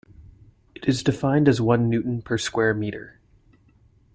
It is defined as one newton per square metre.